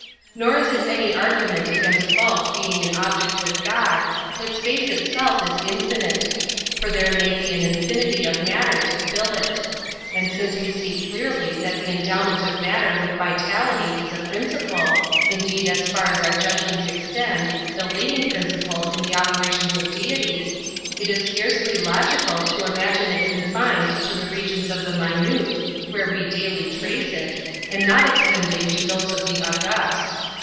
Nor is it any argument against bulk being an object with God, that space itself is infinite; for there may be an infinity of matter to fill it. And since we see clearly that the endowment of matter with vitality is a principle—indeed, as far as our judgments extend, the leading principle in the operations of Deity,—it is scarcely logical to imagine it confined to the regions of the minute, where we daily trace it, and not extending to those of the august.